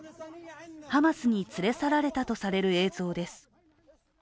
ハマスに連れ去られたとされる映像です。